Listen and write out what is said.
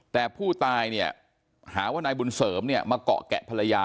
แต่ผู้ตายหาว่านายบุญเสริมมาเกาะแกะภรรยา